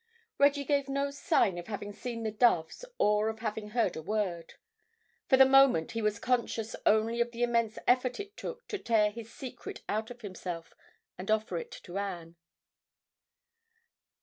Reggie gave no sign of having seen the doves or of having heard a word. For the moment he was conscious only of the immense effort it took to tear his secret out of himself and offer it to Anne.